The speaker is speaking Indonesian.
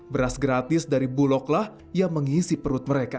beras gratis dari buloglah yang mengisi perut mereka